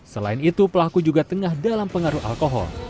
selain itu pelaku juga tengah dalam pengaruh alkohol